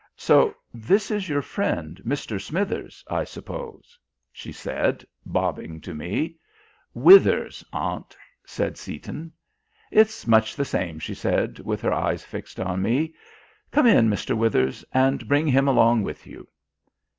"So this is your friend, Mr. Smithers, I suppose?" she said, bobbing to me. "Withers, aunt," said Seaton. "It's much the same," she said, with eyes fixed on me. "Come in, Mr. Withers, and bring him along with you."